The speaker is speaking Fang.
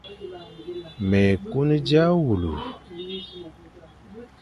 Mé kun dia wule,